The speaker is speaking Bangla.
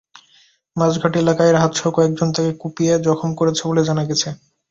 মাছঘাট এলাকায় রাহাতসহ কয়েকজন তাকে কুপিয়ে জখম করেছে বলে জানা গেছে।